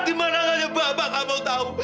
di mana hanya bapak kamu tahu